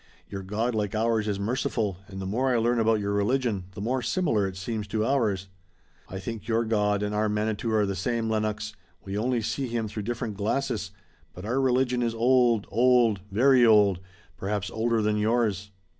Your God like ours is merciful, and the more I learn about your religion the more similar it seems to ours." "I think your God and our Manitou are the same, Lennox, we only see him through different glasses, but our religion is old, old, very old, perhaps older than yours."